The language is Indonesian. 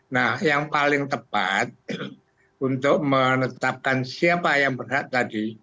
nah yang paling tepat untuk menetapkan siapa yang berhak tadi